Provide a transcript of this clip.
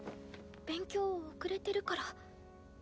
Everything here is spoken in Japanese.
勉強遅れてるから。